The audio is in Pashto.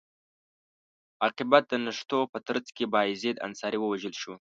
عاقبت د نښتو په ترڅ کې بایزید انصاري ووژل شو.